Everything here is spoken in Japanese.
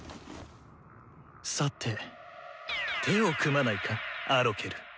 さて手を組まないかアロケル。